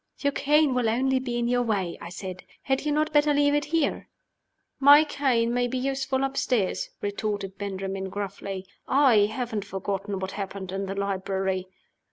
"Your cane will only be in your way," I said. "Had you not better leave it here?" "My cane may be useful upstairs," retorted Benjamin, gruffly. "I haven't forgotten what happened in the library."